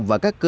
và các cơ sở